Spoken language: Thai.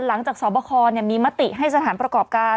หลังจากสอบประคอมเนี่ยมีมติให้สถานประกอบการ